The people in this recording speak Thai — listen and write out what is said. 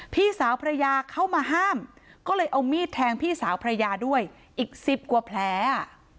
พี่สาวภรรยาเข้ามาห้ามก็เลยเอามีดแทงพี่สาวภรรยาด้วยอีกสิบกว่าแผลอ่ะ